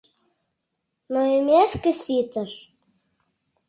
Нойымешке ситыш.